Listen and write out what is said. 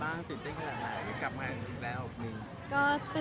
มันเป็นปัญหาจัดการอะไรครับ